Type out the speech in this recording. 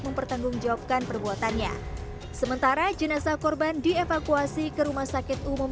mempertanggungjawabkan perbuatannya sementara jenazah korban dievakuasi ke rumah sakit umum